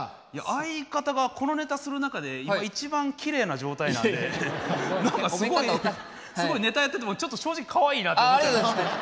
相方がこのネタする中で今一番きれいな状態なんで何かすごいすごいネタやっててもちょっと正直かわいいなって。